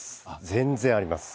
全然あります。